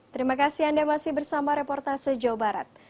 terima kasih anda masih bersama reportase jawa barat